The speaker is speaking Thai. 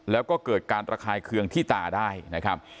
แล้วก็เกิดการระคายเคืองที่ตาได้นะครับ